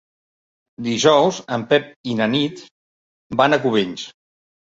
Dijous en Pep i na Nit van a Cubells.